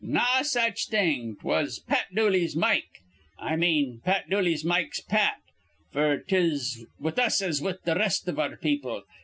'Naw such thing: 'twas Pat Dooley's Mike. I mane Pat Dooley's Mike's Pat.' F'r 'tis with us as with th' rest iv our people.